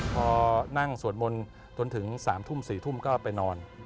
พอนั่งสวดมนต์จนถึง๓ทุ่ม๔ทุ่มก็ไปนอน